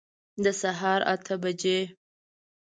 د سهار اته بجي